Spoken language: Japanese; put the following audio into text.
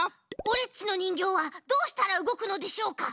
オレっちのにんぎょうはどうしたらうごくのでしょうか？